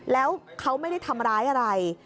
แล้วเขาไม่ได้ทำร้ายอะไร